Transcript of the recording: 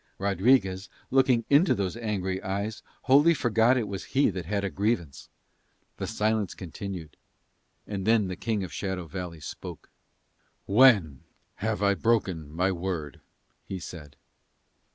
Rodriguez, looking into those angry eyes, wholly forgot it was he that had a grievance. The silence continued. And then the King of Shadow Valley spoke. "When have I broken my word?" he said.